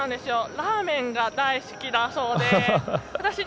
ラーメンが大好きだそうで。